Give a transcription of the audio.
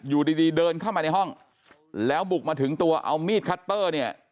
อยู่ดีดีเดินเข้ามาในห้องแล้วบุกมาถึงตัวเอามีดคัตเตอร์เนี่ย